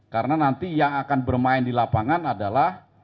karena nanti yang akan bermain di lapangan adalah